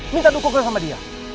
minta dukungan sama dia